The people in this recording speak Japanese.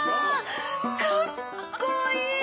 かっこいい！